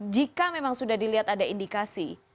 jika memang sudah dilihat ada indikasi